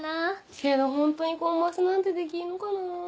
けどホントにコンマスなんてできんのかなぁ。